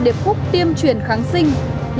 điệp khúc tiêm chuyển kháng sinh